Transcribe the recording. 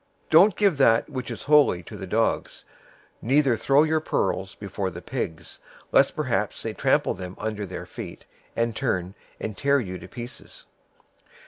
007:006 "Don't give that which is holy to the dogs, neither throw your pearls before the pigs, lest perhaps they trample them under their feet, and turn and tear you to pieces.